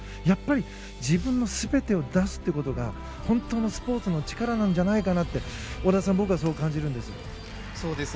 やっぱり自分の全てを出すということが本当のスポーツの力なんじゃないかなって織田さん僕はそう感じるんですが。